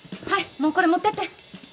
はいもうこれ持ってって！